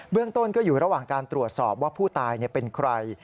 เรื่องต้นก็อยู่ระหว่างการตรวจสอบว่าผู้ตายเป็นใคร